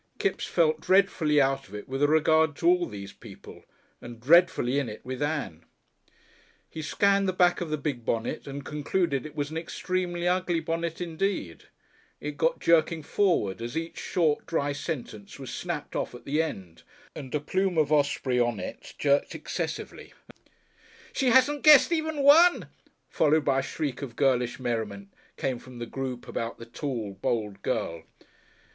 Kipps felt dreadfully out of it with regard to all these people, and dreadfully in it with Ann. He scanned the back of the big bonnet and concluded it was an extremely ugly bonnet indeed. It got jerking forward as each short, dry sentence was snapped off at the end and a plume of osprey on it jerked excessively. "She hasn't guessed even one!" followed by a shriek of girlish merriment, came from the group about the tall, bold girl.